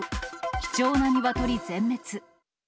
貴重なニワトリ全滅。